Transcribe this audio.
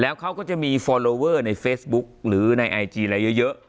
แล้วเขาก็จะมีฟอลโลเวอร์ในเฟซบุ๊คหรือในไอจีอะไรเยอะ